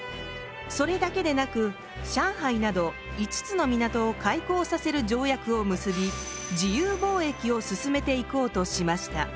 それだけでなく上海など５つの港を開港させる条約を結び自由貿易を進めていこうとしました。